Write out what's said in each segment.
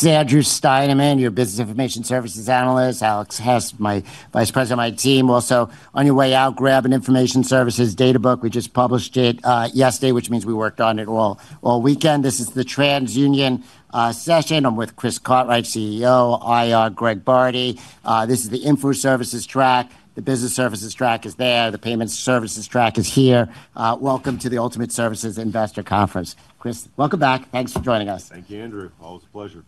Sandru Steineman, your Business Information Services Analyst. Alex Hess, my Vice President of my team. Also, on your way out, grab an Information Services Data Book. We just published it yesterday, which means we worked on it all weekend. This is the TransUnion session. I'm with Chris Cartwright, CEO, IR Greg Bardi. This is the Info Services track. The Business Services track is there. The Payments Services track is here. Welcome to the Ultimate Services Investor Conference. Chris, welcome back. Thanks for joining us. Thank you, Andrew. Always a pleasure.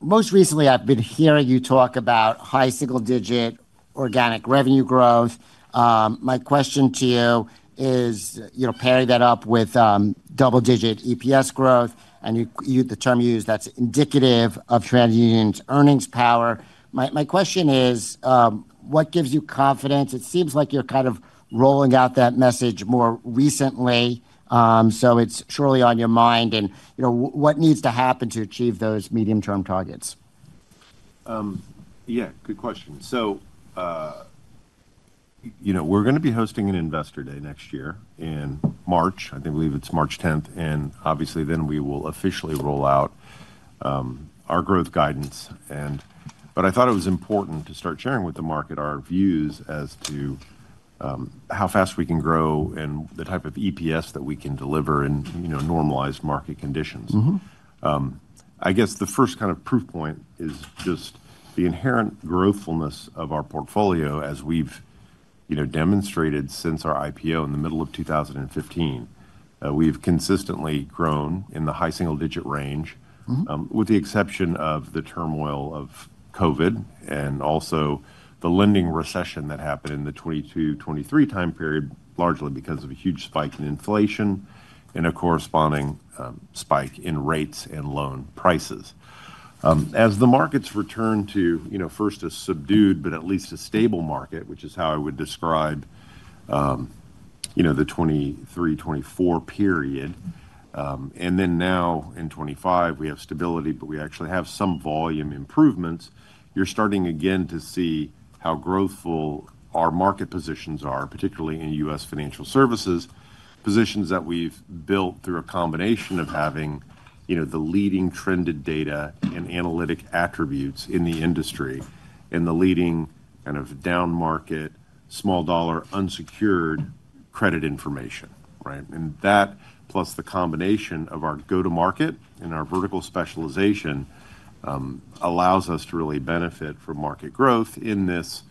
Most recently, I've been hearing you talk about high single-digit organic revenue growth. My question to you is, you know, pairing that up with double-digit EPS growth, and the term you use, that's indicative of TransUnion's earnings power. My question is, what gives you confidence? It seems like you're kind of rolling out that message more recently. It's surely on your mind. What needs to happen to achieve those medium-term targets? Yeah, good question. You know, we're going to be hosting an Investor Day next year in March. I think we'll leave it's March 10th. Obviously, then we will officially roll out our growth guidance. I thought it was important to start sharing with the market our views as to how fast we can grow and the type of EPS that we can deliver in normalized market conditions. I guess the first kind of proof point is just the inherent growthfulness of our portfolio, as we've demonstrated since our IPO in the middle of 2015. We've consistently grown in the high single-digit range, with the exception of the turmoil of COVID and also the lending recession that happened in the 2022-2023 time period, largely because of a huge spike in inflation and a corresponding spike in rates and loan prices. As the markets return to, first, a subdued, but at least a stable market, which is how I would describe the 2023-2024 period, and then now in 2025, we have stability, but we actually have some volume improvements, you're starting again to see how growthful our market positions are, particularly in U.S. financial services, positions that we've built through a combination of having the leading trended data and analytic attributes in the industry and the leading kind of down market, small dollar, unsecured credit information. That, plus the combination of our go-to-market and our vertical specialization, allows us to really benefit from market growth in this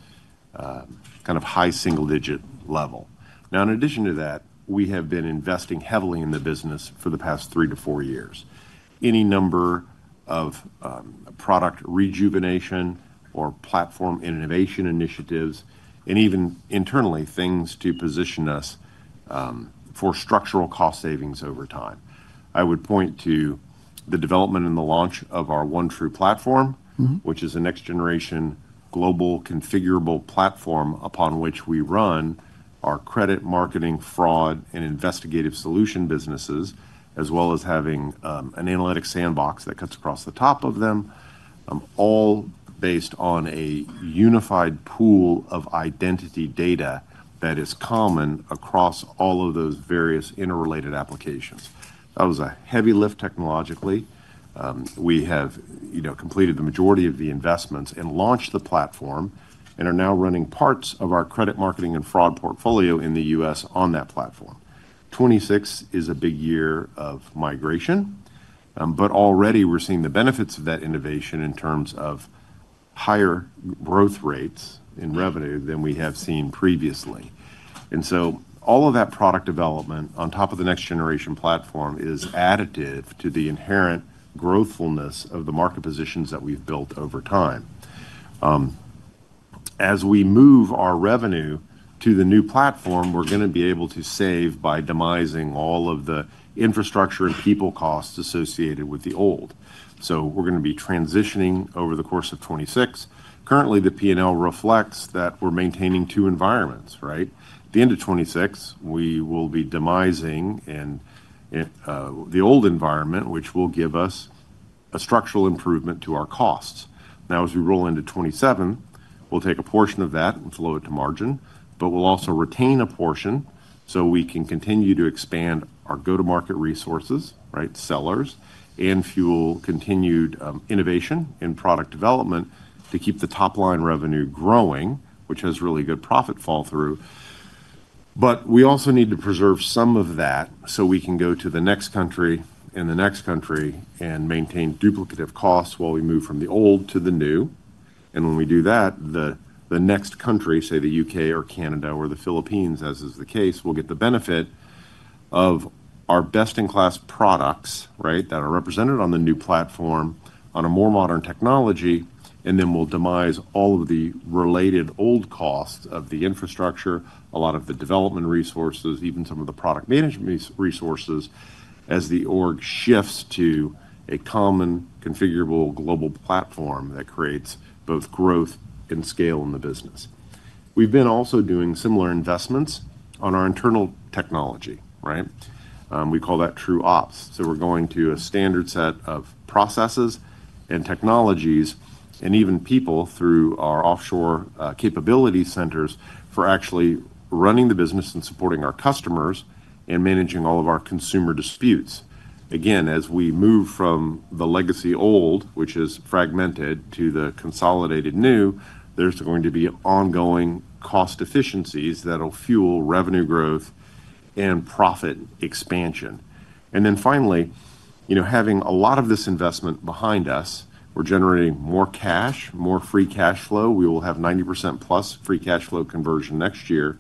kind of high single-digit level. In addition to that, we have been investing heavily in the business for the past three to four years. Any number of product rejuvenation or platform innovation initiatives, and even internally, things to position us for structural cost savings over time. I would point to the development and the launch of our OneTrue platform, which is a next-generation global configurable platform upon which we run our credit marketing, fraud, and investigative solution businesses, as well as having an analytic sandbox that cuts across the top of them, all based on a unified pool of identity data that is common across all of those various interrelated applications. That was a heavy lift technologically. We have completed the majority of the investments and launched the platform and are now running parts of our credit marketing and fraud portfolio in the U.S. on that platform. 2026 is a big year of migration, but already we're seeing the benefits of that innovation in terms of higher growth rates in revenue than we have seen previously. All of that product development on top of the next-generation platform is additive to the inherent growthfulness of the market positions that we've built over time. As we move our revenue to the new platform, we're going to be able to save by demising all of the infrastructure and people costs associated with the old. We're going to be transitioning over the course of 2026. Currently, the P&L reflects that we're maintaining two environments. At the end of 2026, we will be demising the old environment, which will give us a structural improvement to our costs. Now, as we roll into 2027, we'll take a portion of that and flow it to margin, but we'll also retain a portion so we can continue to expand our go-to-market resources, sellers, and fuel continued innovation and product development to keep the top-line revenue growing, which has really good profit fall-through. We also need to preserve some of that so we can go to the next country and the next country and maintain duplicative costs while we move from the old to the new. When we do that, the next country, say the U.K. Canada or the Philippines, as is the case, will get the benefit of our best-in-class products that are represented on the new platform on a more modern technology, and then we will demise all of the related old costs of the infrastructure, a lot of the development resources, even some of the product management resources as the org shifts to a common configurable global platform that creates both growth and scale in the business. We have been also doing similar investments on our internal technology. We call that True Ops. We are going to a standard set of processes and technologies and even people through our offshore capability centers for actually running the business and supporting our customers and managing all of our consumer disputes. Again, as we move from the legacy old, which is fragmented, to the consolidated new, there is going to be ongoing cost efficiencies that will fuel revenue growth and profit expansion. Finally, having a lot of this investment behind us, we are generating more cash, more free cash flow. We will have 90%+ free cash flow conversion next year.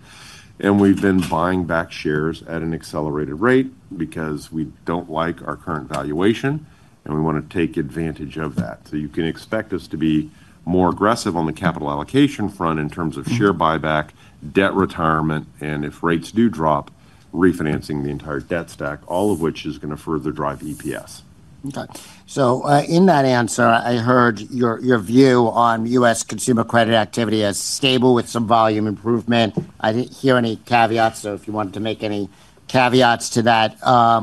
We have been buying back shares at an accelerated rate because we do not like our current valuation, and we want to take advantage of that. You can expect us to be more aggressive on the capital allocation front in terms of share buyback, debt retirement, and if rates do drop, refinancing the entire debt stack, all of which is going to further drive EPS. Okay. In that answer, I heard your view on U.S. consumer credit activity as stable with some volume improvement. I did not hear any caveats, so if you wanted to make any caveats to that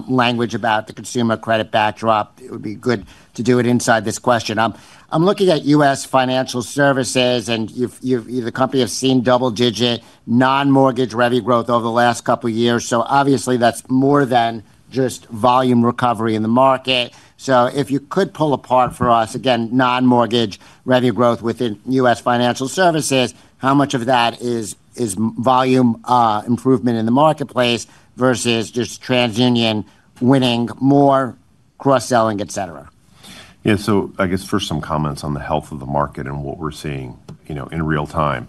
language about the consumer credit backdrop, it would be good to do it inside this question. I am looking at U.S. financial services, and the company has seen double-digit non-mortgage revenue growth over the last couple of years. Obviously, that is more than just volume recovery in the market. If you could pull apart for us, again, non-mortgage revenue growth within U.S. financial services, how much of that is volume improvement in the marketplace versus just TransUnion winning more, cross-selling, et cetera? Yeah. I guess first some comments on the health of the market and what we're seeing in real time.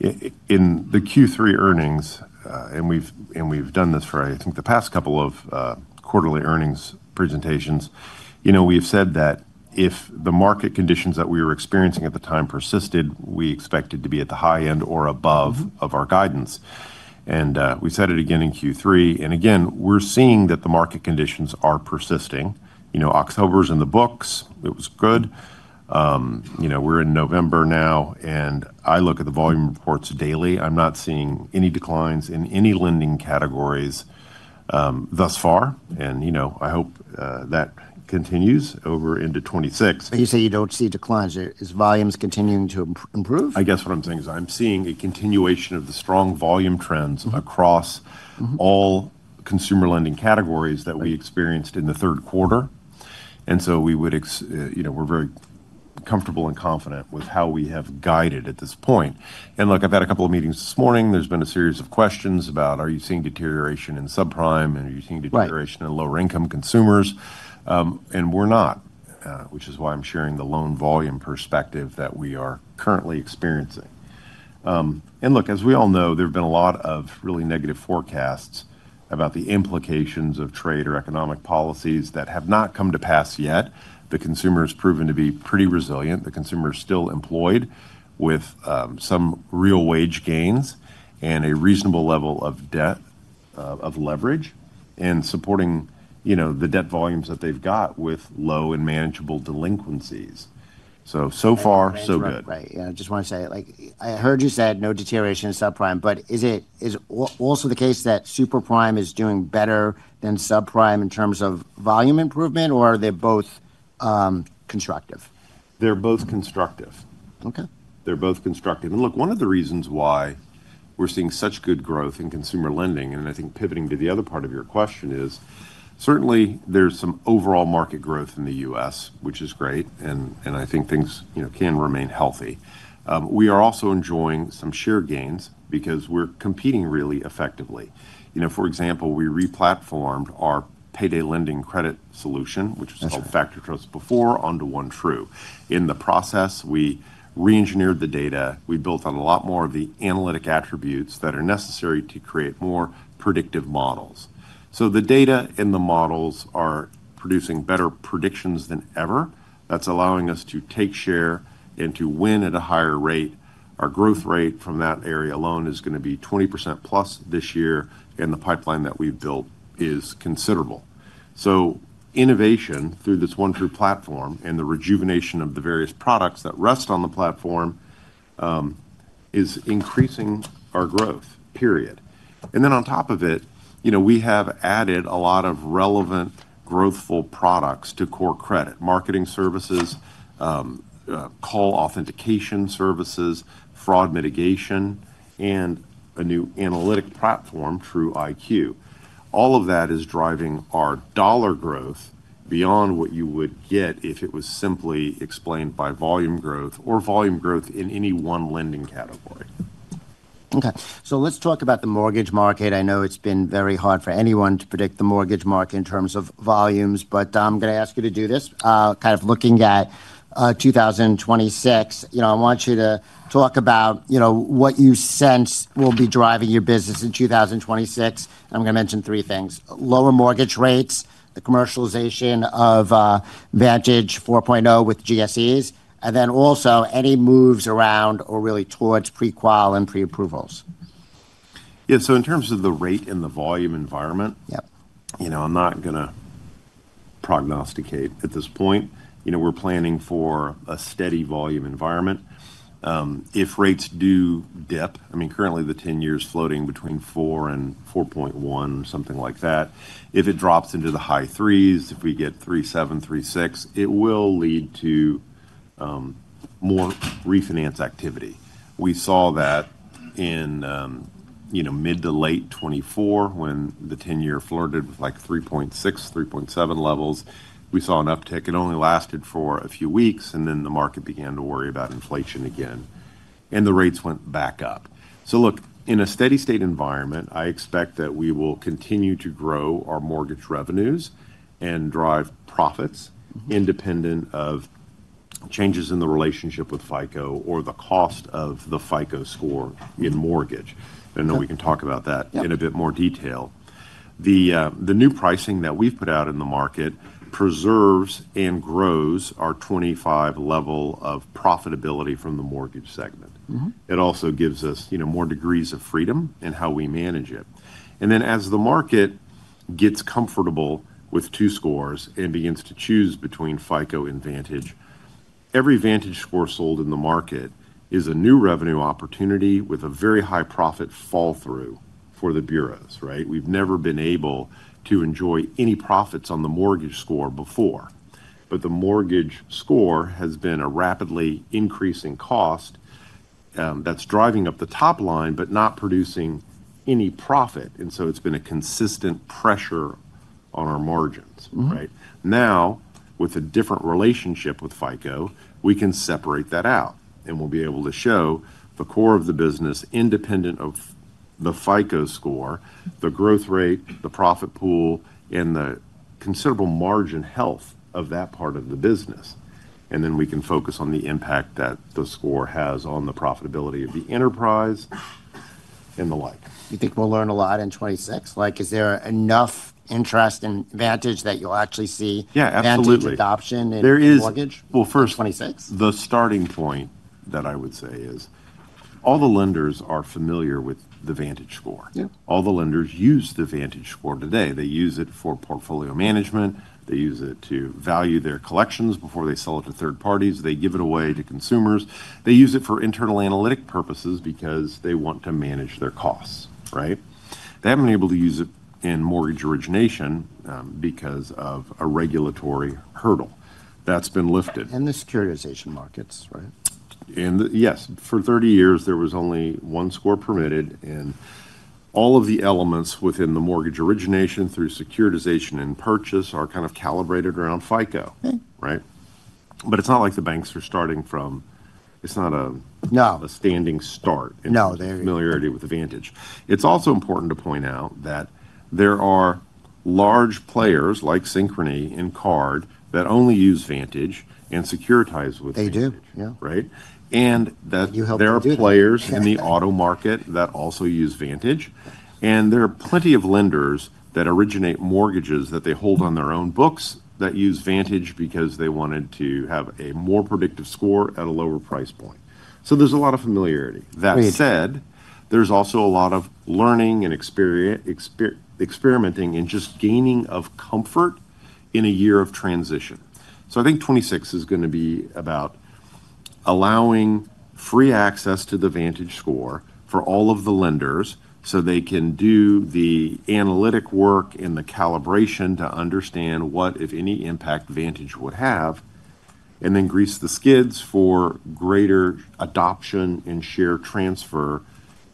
In the Q3 earnings, and we've done this for, I think, the past couple of quarterly earnings presentations, we have said that if the market conditions that we were experiencing at the time persisted, we expected to be at the high end or above of our guidance. We said it again in Q3. Again, we're seeing that the market conditions are persisting. October's in the books. It was good. We're in November now, and I look at the volume reports daily. I'm not seeing any declines in any lending categories thus far, and I hope that continues over into 2026. You say you don't see declines. Is volumes continuing to improve? I guess what I'm saying is I'm seeing a continuation of the strong volume trends across all consumer lending categories that we experienced in the third quarter. We're very comfortable and confident with how we have guided at this point. Look, I've had a couple of meetings this morning. There's been a series of questions about, are you seeing deterioration in subprime? Are you seeing deterioration in lower-income consumers? We're not, which is why I'm sharing the loan volume perspective that we are currently experiencing. As we all know, there have been a lot of really negative forecasts about the implications of trade or economic policies that have not come to pass yet. The consumer has proven to be pretty resilient. The consumer is still employed with some real wage gains and a reasonable level of leverage and supporting the debt volumes that they've got with low and manageable delinquencies. So far, so good. Right. Yeah. I just want to say, I heard you said no deterioration in subprime, but is it also the case that superprime is doing better than subprime in terms of volume improvement, or are they both constructive? They're both constructive. Look, one of the reasons why we're seeing such good growth in consumer lending, and I think pivoting to the other part of your question is, certainly, there's some overall market growth in the U.S., which is great, and I think things can remain healthy. We are also enjoying some share gains because we're competing really effectively. For example, we replatformed our payday lending credit solution, which was called FactorTrust before, onto OneTrue. In the process, we reengineered the data. We built on a lot more of the analytic attributes that are necessary to create more predictive models. The data and the models are producing better predictions than ever. That's allowing us to take share and to win at a higher rate. Our growth rate from that area alone is going to be 20% plus this year, and the pipeline that we've built is considerable. Innovation through this OneTrue platform and the rejuvenation of the various products that rest on the platform is increasing our growth, period. On top of it, we have added a lot of relevant growthful products to core credit: marketing services, call authentication services, fraud mitigation, and a new analytic platform, True IQ. All of that is driving our dollar growth beyond what you would get if it was simply explained by volume growth or volume growth in any one lending category. Okay. Let's talk about the mortgage market. I know it's been very hard for anyone to predict the mortgage market in terms of volumes, but I'm going to ask you to do this. Kind of looking at 2026, I want you to talk about what you sense will be driving your business in 2026. I'm going to mention three things: lower mortgage rates, the commercialization of Vantage 4.0 with GSEs, and then also any moves around or really towards pre-qual and pre-approvals. Yeah. In terms of the rate and the volume environment, I'm not going to prognosticate at this point. We're planning for a steady volume environment. If rates do dip, I mean, currently the 10-year is floating between 4 and 4.1, something like that. If it drops into the high 3s, if we get 3.7, 3.6, it will lead to more refinance activity. We saw that in mid to late 2024 when the 10-year flirted with like 3.6, 3.7 levels. We saw an uptick. It only lasted for a few weeks, and then the market began to worry about inflation again, and the rates went back up. In a steady-state environment, I expect that we will continue to grow our mortgage revenues and drive profits independent of changes in the relationship with FICO or the cost of the FICO score in mortgage. We can talk about that in a bit more detail. The new pricing that we have put out in the market preserves and grows our 25% level of profitability from the mortgage segment. It also gives us more degrees of freedom in how we manage it. As the market gets comfortable with two scores and begins to choose between FICO and Vantage, every Vantage score sold in the market is a new revenue opportunity with a very high profit fall-through for the bureaus. We have never been able to enjoy any profits on the mortgage score before, but the mortgage score has been a rapidly increasing cost that is driving up the top line, but not producing any profit. It has been a consistent pressure on our margins. Now, with a different relationship with FICO, we can separate that out, and we'll be able to show the core of the business independent of the FICO score, the growth rate, the profit pool, and the considerable margin health of that part of the business. We can focus on the impact that the score has on the profitability of the enterprise and the like. You think we'll learn a lot in 2026? Is there enough interest in Vantage that you'll actually see managed adoption in mortgage? First, the starting point that I would say is all the lenders are familiar with the Vantage score. All the lenders use the Vantage score today. They use it for portfolio management. They use it to value their collections before they sell it to third parties. They give it away to consumers. They use it for internal analytic purposes because they want to manage their costs. They haven't been able to use it in mortgage origination because of a regulatory hurdle. That's been lifted. The securitization markets, right? Yes. For 30 years, there was only one score permitted, and all of the elements within the mortgage origination through securitization and purchase are kind of calibrated around FICO. It is not like the banks are starting from, it is not a standing start in familiarity with the Vantage. It is also important to point out that there are large players like Synchrony and Card that only use Vantage and securitize with Vantage. They do. There are players in the auto market that also use Vantage, and there are plenty of lenders that originate mortgages that they hold on their own books that use Vantage because they wanted to have a more predictive score at a lower price point. There is a lot of familiarity. That said, there is also a lot of learning and experimenting and just gaining of comfort in a year of transition. I think 2026 is going to be about allowing free access to the Vantage score for all of the lenders so they can do the analytic work and the calibration to understand what, if any, impact Vantage would have, and then grease the skids for greater adoption and share transfer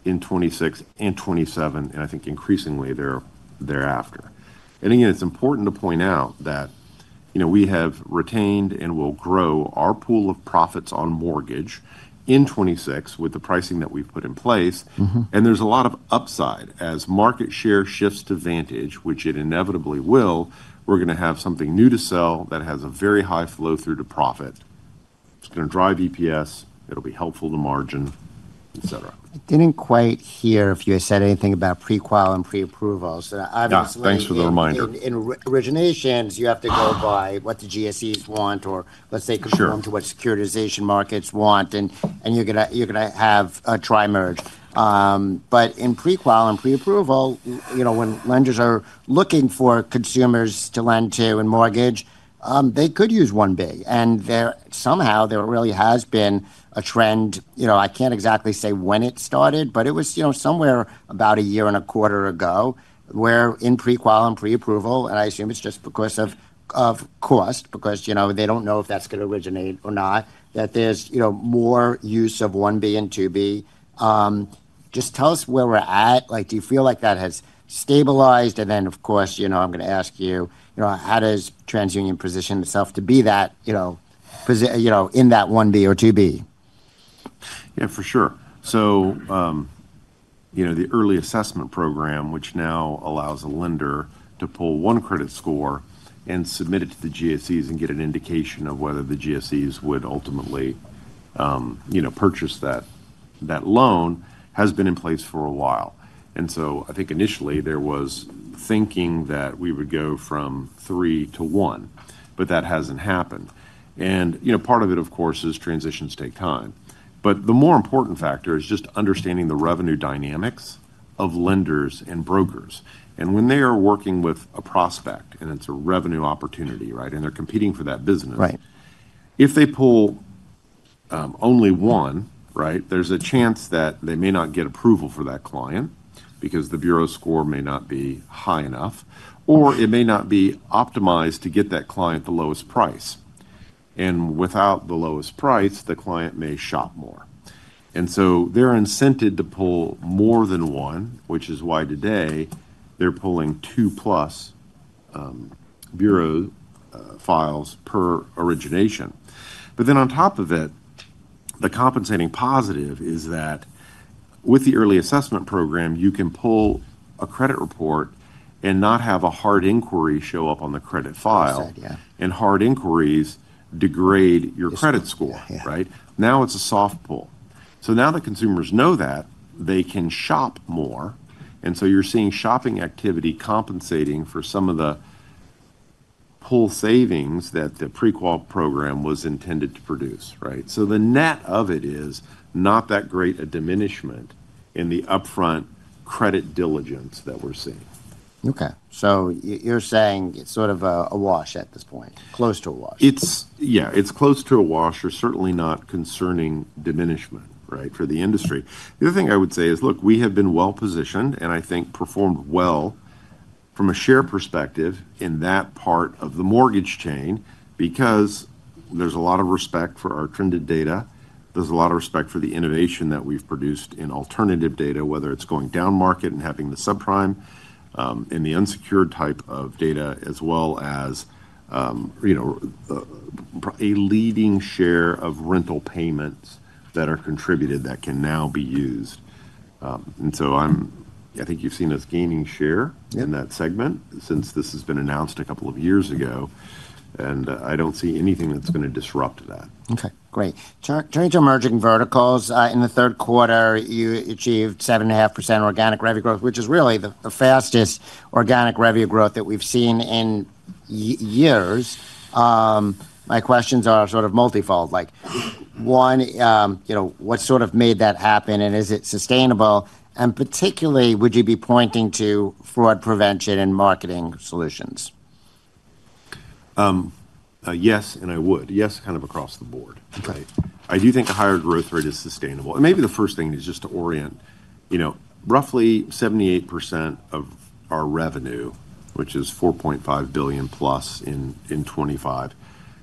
in 2026 and 2027, and I think increasingly thereafter. It is important to point out that we have retained and will grow our pool of profits on mortgage in 2026 with the pricing that we have put in place. There is a lot of upside. As market share shifts to Vantage, which it inevitably will, we are going to have something new to sell that has a very high flow-through to profit. It is going to drive EPS. It will be helpful to margin, et cetera. I didn't quite hear if you had said anything about pre-qual and pre-approvals. Thanks for the reminder. In originations, you have to go by what the GSEs want or, let's say, conform to what securitization markets want, and you're going to have a tri-merge. In pre-qual and pre-approval, when lenders are looking for consumers to lend to in mortgage, they could use OneBig. Somehow, there really has been a trend. I can't exactly say when it started, but it was somewhere about a year and a quarter ago where in pre-qual and pre-approval, and I assume it's just because of cost, because they don't know if that's going to originate or not, that there's more use of OneBig and TwoBig. Just tell us where we're at. Do you feel like that has stabilized? Of course, I'm going to ask you, how does TransUnion position itself to be that in that OneBig or TwoBig? Yeah, for sure. The early assessment program, which now allows a lender to pull one credit score and submit it to the GSEs and get an indication of whether the GSEs would ultimately purchase that loan, has been in place for a while. I think initially, there was thinking that we would go from three to one, but that has not happened. Part of it, of course, is transitions take time. The more important factor is just understanding the revenue dynamics of lenders and brokers. When they are working with a prospect and it is a revenue opportunity, and they are competing for that business, if they pull only one, there is a chance that they may not get approval for that client because the bureau score may not be high enough, or it may not be optimized to get that client the lowest price. Without the lowest price, the client may shop more. They are incented to pull more than one, which is why today they are pulling two-plus bureau files per origination. On top of it, the compensating positive is that with the early assessment program, you can pull a credit report and not have a hard inquiry show up on the credit file, and hard inquiries degrade your credit score. Now it is a soft pull. Now that consumers know that, they can shop more. You are seeing shopping activity compensating for some of the pull savings that the pre-qual program was intended to produce. The net of it is not that great a diminishment in the upfront credit diligence that we are seeing. Okay. So, you're saying it's sort of a wash at this point, close to a wash. Yeah. It's close to a wash or certainly not concerning diminishment for the industry. The other thing I would say is, look, we have been well positioned and I think performed well from a share perspective in that part of the mortgage chain because there's a lot of respect for our trended data. There's a lot of respect for the innovation that we've produced in alternative data, whether it's going down market and having the subprime and the unsecured type of data, as well as a leading share of rental payments that are contributed that can now be used. I think you've seen us gaining share in that segment since this has been announced a couple of years ago, and I don't see anything that's going to disrupt that. Okay. Great. Change emerging verticals. In the third quarter, you achieved 7.5% organic revenue growth, which is really the fastest organic revenue growth that we've seen in years. My questions are sort of multifold. One, what sort of made that happen? Is it sustainable? Particularly, would you be pointing to fraud prevention and marketing solutions? Yes, and I would. Yes, kind of across the board. I do think a higher growth rate is sustainable. Maybe the first thing is just to orient. Roughly 78% of our revenue, which is $4.5 billion plus in 2025,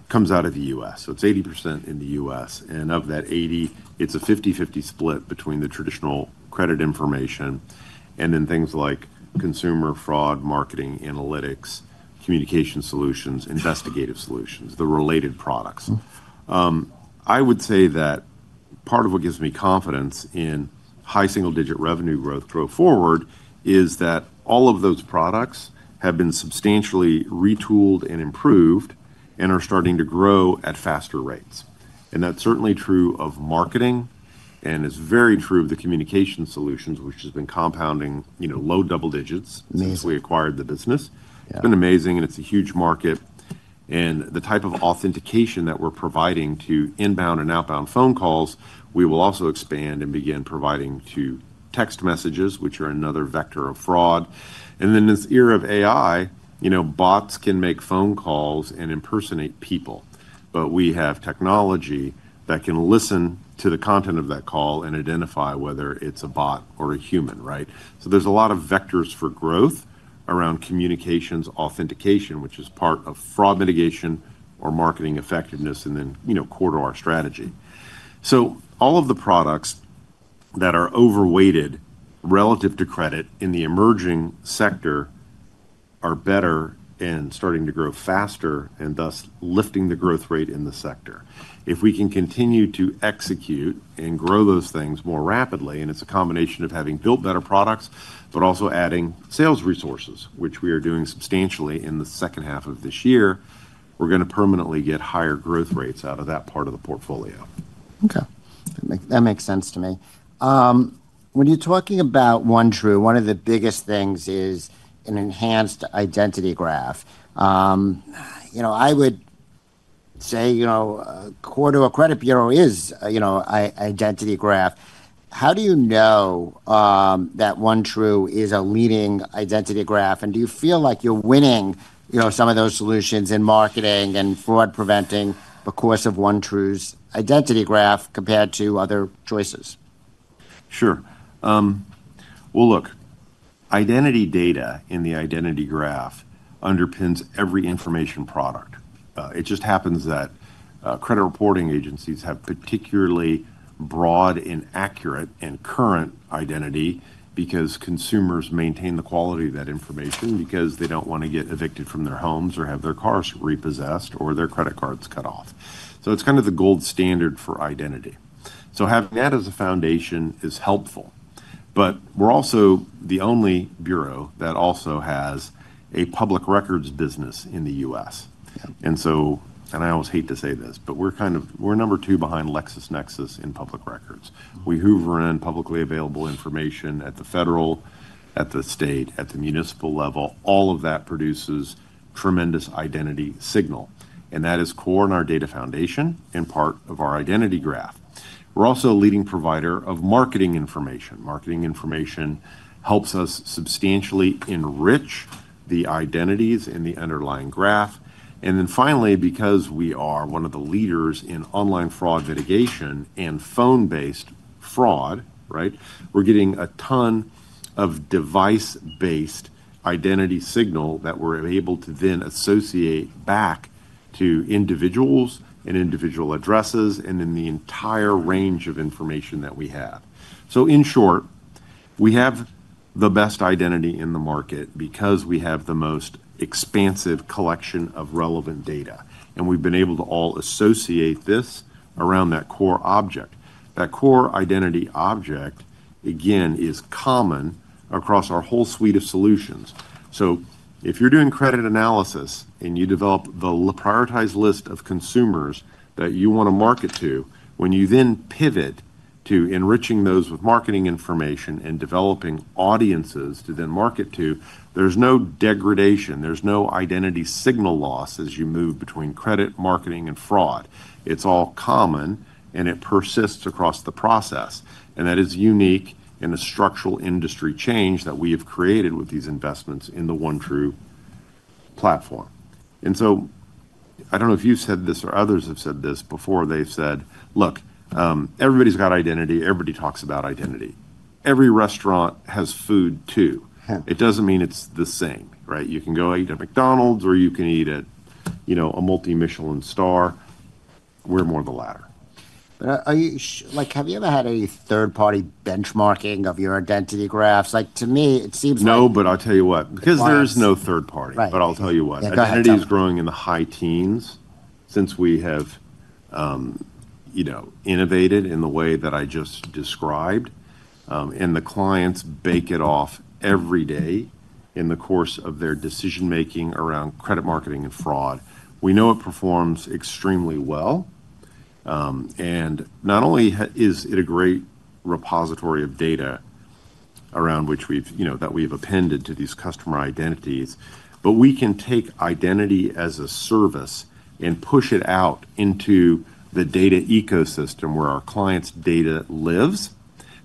comes out of the U.S. It's 80% in the U.S. Of that 80%, it's a 50/50 split between the traditional credit information and then things like consumer fraud, marketing, analytics, communication solutions, investigative solutions, the related products. I would say that part of what gives me confidence in high single-digit revenue growth going forward is that all of those products have been substantially retooled and improved and are starting to grow at faster rates. That's certainly true of marketing, and it's very true of the communication solutions, which has been compounding low double digits since we acquired the business. It's been amazing, and it's a huge market. The type of authentication that we're providing to inbound and outbound phone calls, we will also expand and begin providing to text messages, which are another vector of fraud. In this era of AI, bots can make phone calls and impersonate people, but we have technology that can listen to the content of that call and identify whether it's a bot or a human. There are a lot of vectors for growth around communications authentication, which is part of fraud mitigation or marketing effectiveness, and then core to our strategy. All of the products that are overweighted relative to credit in the emerging sector are better and starting to grow faster and thus lifting the growth rate in the sector. If we can continue to execute and grow those things more rapidly, and it's a combination of having built better products, but also adding sales resources, which we are doing substantially in the second half of this year, we're going to permanently get higher growth rates out of that part of the portfolio. Okay. That makes sense to me. When you're talking about OneTrue, one of the biggest things is an enhanced identity graph. I would say core to a credit bureau is an identity graph. How do you know that OneTrue is a leading identity graph? Do you feel like you're winning some of those solutions in marketing and fraud preventing the course of OneTrue's identity graph compared to other choices? Sure. Look, identity data in the identity graph underpins every information product. It just happens that credit reporting agencies have particularly broad and accurate and current identity because consumers maintain the quality of that information because they do not want to get evicted from their homes or have their cars repossessed or their credit cards cut off. It is kind of the gold standard for identity. Having that as a foundation is helpful, but we are also the only bureau that also has a public records business in the U.S. I always hate to say this, but we are kind of number two behind LexisNexis in public records. We hoover in publicly available information at the federal, at the state, at the municipal level. All of that produces tremendous identity signal. That is core in our data foundation and part of our identity graph. We're also a leading provider of marketing information. Marketing information helps us substantially enrich the identities in the underlying graph. Finally, because we are one of the leaders in online fraud litigation and phone-based fraud, we're getting a ton of device-based identity signal that we're able to then associate back to individuals and individual addresses and in the entire range of information that we have. In short, we have the best identity in the market because we have the most expansive collection of relevant data, and we've been able to all associate this around that core object. That core identity object, again, is common across our whole suite of solutions. If you're doing credit analysis and you develop the prioritized list of consumers that you want to market to, when you then pivot to enriching those with marketing information and developing audiences to then market to, there's no degradation. There's no identity signal loss as you move between credit, marketing, and fraud. It's all common, and it persists across the process. That is unique in a structural industry change that we have created with these investments in the OneTrue platform. I don't know if you've said this or others have said this before. They've said, "Look, everybody's got identity. Everybody talks about identity. Every restaurant has food too. It doesn't mean it's the same. You can go eat at McDonald's or you can eat at a multi-Michelin star. We're more the latter. Have you ever had any third-party benchmarking of your identity graphs? To me, it seems like. No, but I'll tell you what. Because there is no third party, but I'll tell you what. Identity is growing in the high teens since we have innovated in the way that I just described, and the clients bake it off every day in the course of their decision-making around credit marketing and fraud. We know it performs extremely well. Not only is it a great repository of data around which we've appended to these customer identities, but we can take identity as a service and push it out into the data ecosystem where our clients' data lives.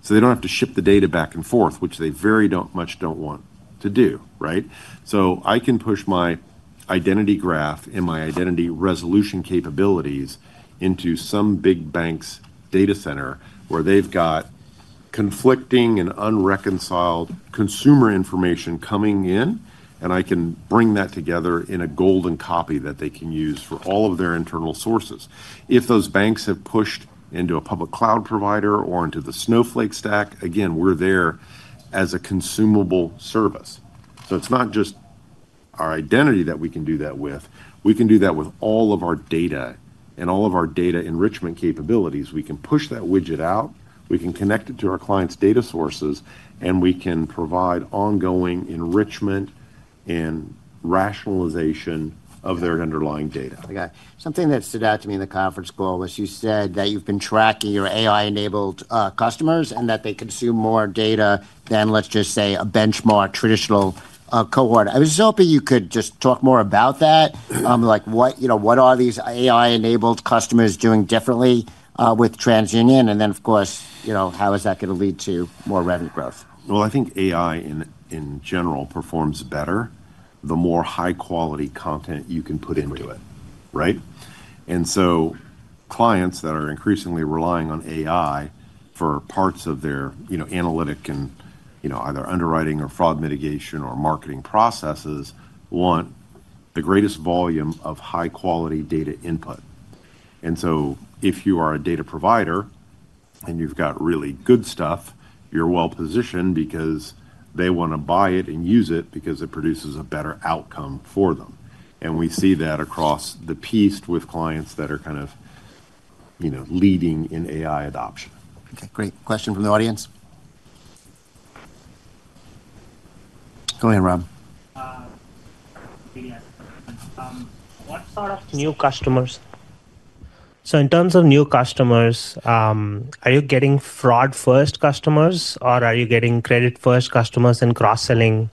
They don't have to ship the data back and forth, which they very much don't want to do. I can push my identity graph and my identity resolution capabilities into some big bank's data center where they've got conflicting and unreconciled consumer information coming in, and I can bring that together in a golden copy that they can use for all of their internal sources. If those banks have pushed into a public cloud provider or into the Snowflake stack, again, we're there as a consumable service. It's not just our identity that we can do that with. We can do that with all of our data and all of our data enrichment capabilities. We can push that widget out. We can connect it to our clients' data sources, and we can provide ongoing enrichment and rationalization of their underlying data. Something that stood out to me in the conference call was you said that you've been tracking your AI-enabled customers and that they consume more data than, let's just say, a benchmark traditional cohort. I was hoping you could just talk more about that. What are these AI-enabled customers doing differently with TransUnion? Of course, how is that going to lead to more revenue growth? I think AI in general performs better the more high-quality content you can put into it. Clients that are increasingly relying on AI for parts of their analytic and either underwriting or fraud mitigation or marketing processes want the greatest volume of high-quality data input. If you are a data provider and you have really good stuff, you are well positioned because they want to buy it and use it because it produces a better outcome for them. We see that across the piece with clients that are kind of leading in AI adoption. Okay. Great. Question from the audience. Go ahead, Rob. What sort of new customers? In terms of new customers, are you getting fraud-first customers, or are you getting credit-first customers and cross-selling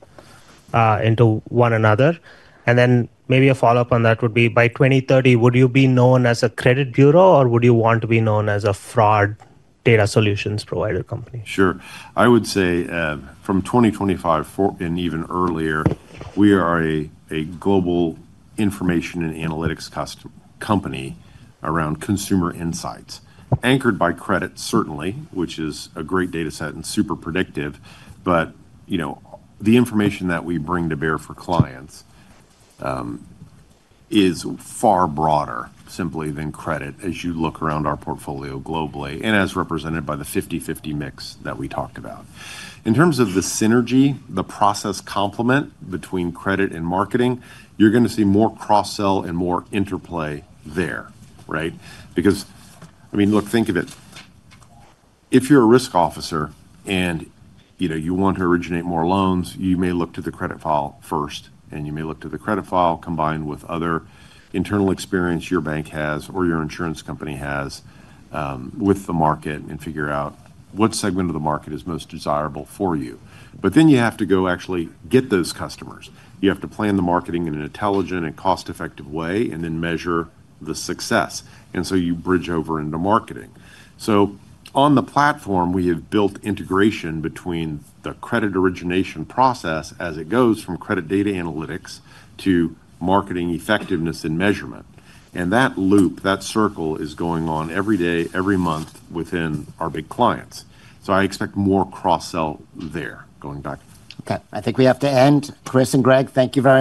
into one another? Maybe a follow-up on that would be, by 2030, would you be known as a credit bureau, or would you want to be known as a fraud data solutions provider company? Sure. I would say from 2025 and even earlier, we are a global information and analytics company around consumer insights, anchored by credit, certainly, which is a great data set and super predictive. But the information that we bring to bear for clients is far broader simply than credit as you look around our portfolio globally and as represented by the 50/50 mix that we talked about. In terms of the synergy, the process complement between credit and marketing, you're going to see more cross-sell and more interplay there. Because, I mean, look, think of it. If you're a risk officer and you want to originate more loans, you may look to the credit file first, and you may look to the credit file combined with other internal experience your bank has or your insurance company has with the market and figure out what segment of the market is most desirable for you. You have to go actually get those customers. You have to plan the marketing in an intelligent and cost-effective way and then measure the success. You bridge over into marketing. On the platform, we have built integration between the credit origination process as it goes from credit data analytics to marketing effectiveness and measurement. That loop, that circle is going on every day, every month within our big clients. I expect more cross-sell there going back. Okay. I think we have to end. Chris and Greg, thank you very much.